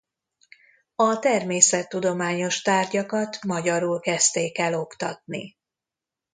A természettudományos tárgyakat magyarul kezdték el oktatni.